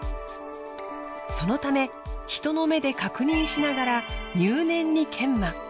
そのため人の目で確認しながら入念に研磨。